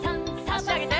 あしあげて。